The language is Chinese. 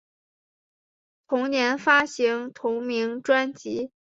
同年发行同名专辑。